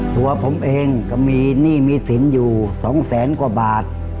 กลัวผมเองก็นี่มีสินอยู่สองแสนกว่าบาท